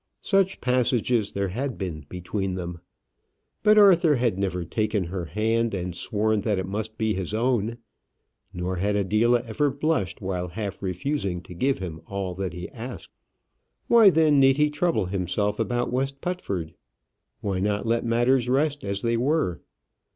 Such passages there had been between them; but Arthur had never taken her hand and sworn that it must be his own, nor had Adela ever blushed while half refusing to give him all he asked. Why then need he trouble himself about West Putford? Why not let matters rest as they were?